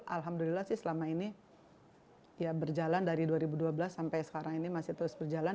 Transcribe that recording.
alhamdulillah sih selama ini ya berjalan dari dua ribu dua belas sampai sekarang ini masih terus berjalan